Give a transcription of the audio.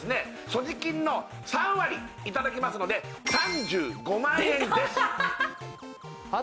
所持金の３割いただきますので３５万円ですでかっ！